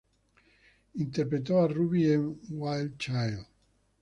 Interpretó a Ruby en "Wild Child".